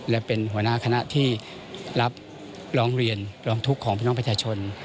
และเป็นหัวหน้าคณะที่รับร้องเรียนร้องทุกข์ของพี่น้องประชาชน